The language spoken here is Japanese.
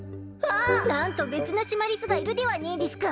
何と別のシマリスがいるではねいでぃすか。